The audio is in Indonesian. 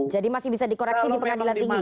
jadi masih bisa dikoreksi di pengadilan tinggi